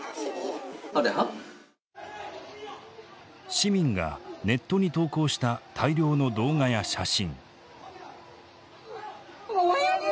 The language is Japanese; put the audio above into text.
市民がネットに投稿した大量の動画や写真。